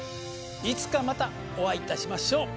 いつかまたお会いいたしましょう。